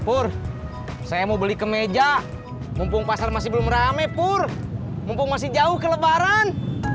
pur saya mau beli kemeja mumpung pasar masih belum rame pur mumpung masih jauh kelebaran